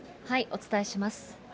お伝えします。